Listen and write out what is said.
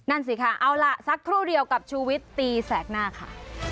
นั่นสิค่ะเอาล่ะสักครู่เดียวกับชูวิตตีแสกหน้าค่ะ